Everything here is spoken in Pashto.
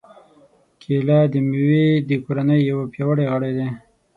کېله د مېوې د کورنۍ یو پیاوړی غړی دی.